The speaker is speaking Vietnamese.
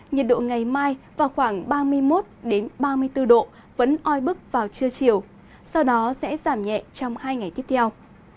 nhiệt độ ngày mai vào khoảng ba mươi một ba mươi bốn độ vẫn oi bức vào trưa chiều sau đó sẽ giảm nhẹ trong hai ngày tiếp theo